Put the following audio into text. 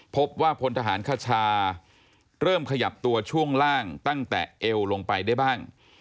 พบว่าพลทหารคชาเริ่มขยับตัวช่วงล่างตั้งแต่เอวลงไปได้บ้าง